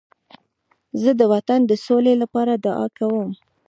زه د وطن د سولې لپاره دعا کوم.